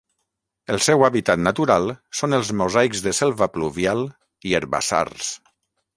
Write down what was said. El seu hàbitat natural són els mosaics de selva pluvial i herbassars.